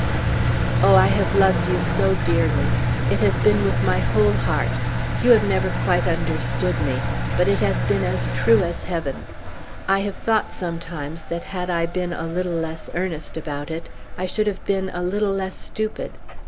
"Oh, I have loved you so dearly. It has been with my whole heart. You have never quite understood me, but it has been as true as heaven. I have thought sometimes that had I been a little less earnest about it, I should have been a little less stupid.